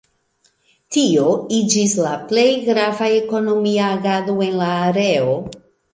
Tio iĝis la plej grava ekonomia agado en la areo.